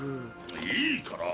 いいから！